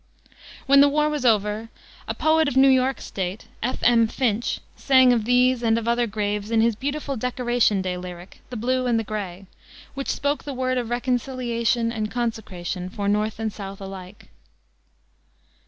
When the war was over a poet of New York State, F. M. Finch, sang of these and of other graves in his beautiful Decoration Day lyric, The Blue and the Gray, which spoke the word of reconciliation and consecration for North and South alike.